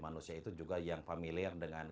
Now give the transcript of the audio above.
manusia itu juga yang familiar dengan